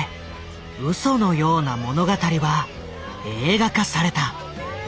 うそのような物語は映画化された。